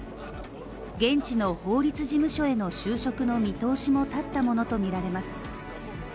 現地の法律事務所への就職の見通しも立ったものとみられます。